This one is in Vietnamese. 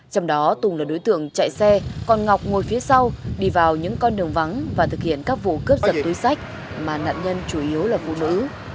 trong đó tùng là đối tượng chạy xe còn ngọc ngồi phía sau đi vào những con đường vắng và thực hiện các vụ cướp giật túi sách mà nạn nhân chủ yếu là phụ nữ